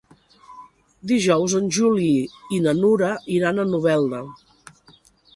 Dijous en Juli i na Nura iran a Novelda.